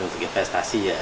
untuk investasi ya